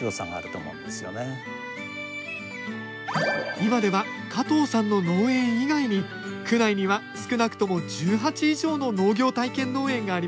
今では加藤さんの農園以外に区内には少なくとも１８以上の農業体験農園があります